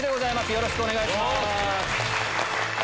よろしくお願いします。